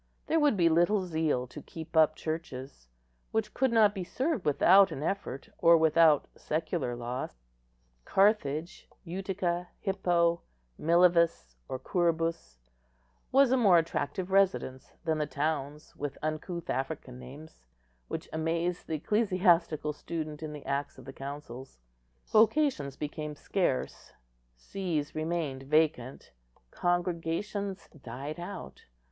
There would be little zeal to keep up Churches, which could not be served without an effort or without secular loss. Carthage, Utica, Hippo, Milevis, or Curubis, was a more attractive residence than the towns with uncouth African names, which amaze the ecclesiastical student in the Acts of the Councils. Vocations became scarce; sees remained vacant; congregations died out.